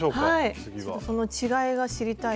ちょっとその違いが知りたい。